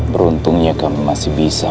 beruntungnya kami masih bisa